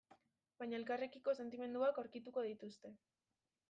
Baina elkarrekiko sentimenduak aurkituko dituzte.